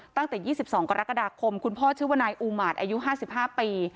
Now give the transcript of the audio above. ตั้งแต่๒๒กรกฎาคมคุณพ่อชื่อว่านายอูมาตรอายุ๕๕ปี